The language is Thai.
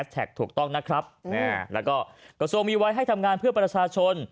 ถูกต้องนะครับแล้วก็กระทรวงมีไว้ให้ทำงานเพื่อประชาชน